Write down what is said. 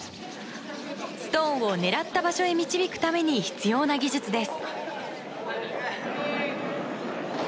ストーンを狙った場所へ導くために必要な技術です。